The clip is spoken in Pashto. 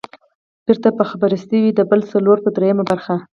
بېرته به خپرې شوې، د پل څلور پر درېمه برخه.